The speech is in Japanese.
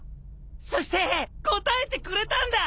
そして応えてくれたんだ！